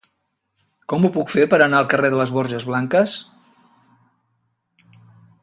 Com ho puc fer per anar al carrer de les Borges Blanques?